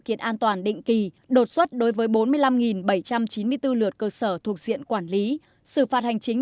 kiện an toàn định kỳ đột xuất đối với bốn mươi năm bảy trăm chín mươi bốn lượt cơ sở thuộc diện quản lý xử phạt hành chính